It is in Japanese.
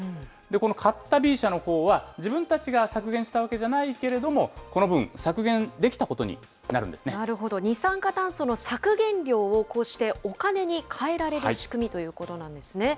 この買ったＢ社のほうは、自分たちが削減したわけじゃないけれども、この分、削減できたことにななるほど、二酸化炭素の削減量をこうしてお金に換えられる仕組みということなんですね。